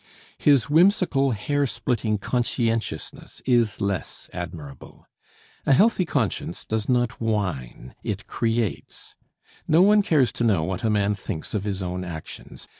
His whimsical, hair splitting conscientiousness is less admirable. A healthy conscience does not whine it creates. No one cares to know what a man thinks of his own actions.